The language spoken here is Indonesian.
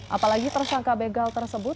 apalagi tersangka begal tersebut